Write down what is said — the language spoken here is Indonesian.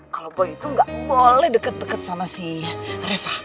kalau pohon itu gak boleh deket deket sama si reva